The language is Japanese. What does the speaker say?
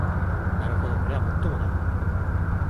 なるほどこりゃもっともだ